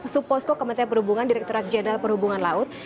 suposko kementerian perhubungan direkturat jenderal perhubungan laut